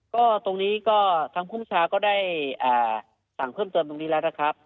ก็ตรงนี้ก็ทางภูมิชาก็ได้สั่งเพิ่มเติมตรงนี้แล้วนะครับ